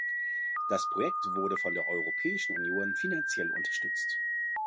Das Projekt wurde von der Europäischen Union finanziell unterstützt.